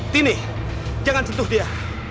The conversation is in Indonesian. dini jangan sentuh dia